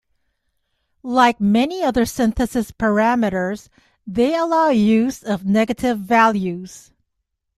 Like many other synthesis parameters, they allow use of negative values.